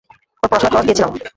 ওর পড়াশোনার খরচ দিয়েছিলাম।